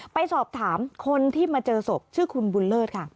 ไปสอบถามคนที่มาเจอศพชื่อคุณบุญเลิศค่ะ